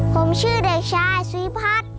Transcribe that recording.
ผมชื่อเด็กชายศรีพัฒน์